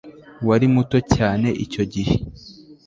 wari muto cyane icyo gihe